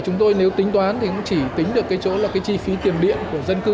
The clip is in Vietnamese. chúng tôi nếu tính toán thì cũng chỉ tính được cái chỗ là cái chi phí tiền điện của dân cư